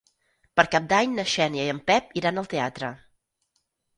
Per Cap d'Any na Xènia i en Pep iran al teatre.